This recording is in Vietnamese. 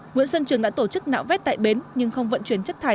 nguyễn xuân trường đã tổ chức nạo vét tại bến nhưng không vận chuyển chất thải